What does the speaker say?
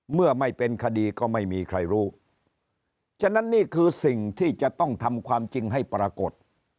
เมื่อไม่เป็นคดีก็ไม่มีใครรู้ฉะนั้นนี่คือสิ่งที่จะต้องทำความจริงให้ปรากฏ